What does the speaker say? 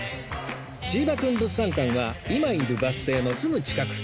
チーバくん物産館は今いるバス停のすぐ近く